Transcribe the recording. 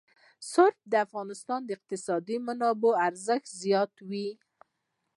رسوب د افغانستان د اقتصادي منابعو ارزښت زیاتوي.